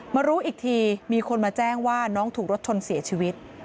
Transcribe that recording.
มารู้อีกทีมีคนมาแจ้งว่าน้องถูกรถชนเสียชีวิต